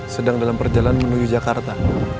sedang dalam perjalanan menuju jakarta